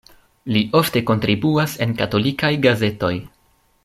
Li ofte kontribuas en katolikaj gazetoj.